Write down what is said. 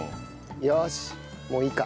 よしもういいか。